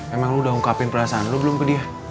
emang lo udah ungkapin perasaan lo belum ke dia